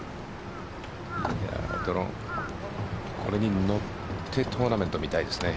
ドローン、これに乗ってトーナメント見たいですね。